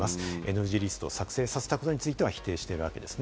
ＮＧリストを作成させたことについては否定しているわけです。